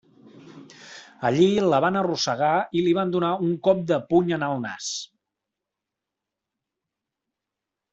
Allí, la van arrossegar i li van donar un cop de puny en el nas.